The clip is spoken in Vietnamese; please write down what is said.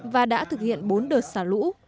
và đã thực hiện bốn đợt xả lũ